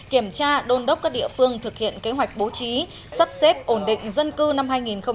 kiểm tra đôn đốc các địa phương thực hiện kế hoạch bố trí sắp xếp ổn định dân cư năm hai nghìn hai mươi